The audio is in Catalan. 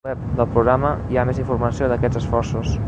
Al web del programa hi ha més informació d'aquests esforços.